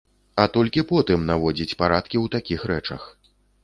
А толькі потым наводзіць парадкі ў такіх рэчах.